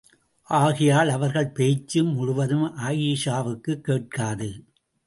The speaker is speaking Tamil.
ஆகையால், அவர்கள் பேச்சு முழுவதும் ஆயீஷாவுக்குக் கேட்காது!